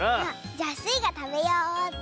じゃあスイがたべようっと。